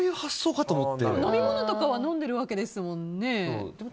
飲み物とか飲んでるわけですもんね。